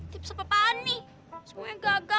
tips bapak nih semuanya gagal